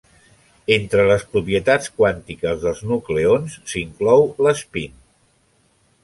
Entre les propietats quàntiques dels nucleons s'inclou l'espín.